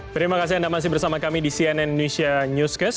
terima kasihrada masih bersama kami di cnn indonesia newscast